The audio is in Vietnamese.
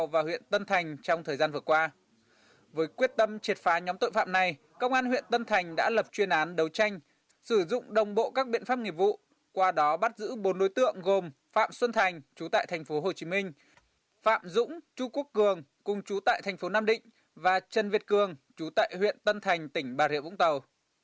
với quyết tâm triệt phá nhóm tội phạm này công an huyện tân thành đã lập chuyên án đấu tranh sử dụng đồng bộ các biện pháp nghiệp vụ qua đó bắt giữ bốn đối tượng gồm phạm xuân thành chú tại thành phố hồ chí minh phạm dũng chú quốc cường cùng chú tại thành phố nam định và trân việt cường chú tại huyện tân thành tỉnh bà rịa vũng tàu